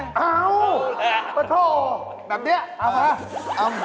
เอาปะโทแบบนี้เอาปะ